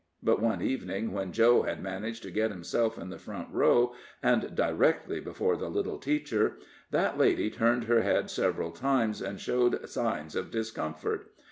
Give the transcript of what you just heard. But one evening, when Joe had managed to get himself in the front row and directly before the little teacher, that lady turned her head several times and showed signs of discomfort.